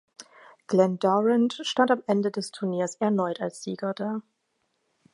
Glen Durrant stand am Ende des Turniers erneut als Sieger da.